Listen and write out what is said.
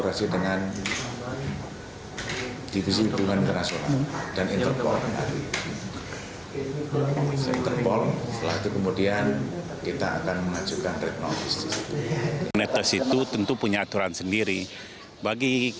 red notice itu tentu punya aturan sendiri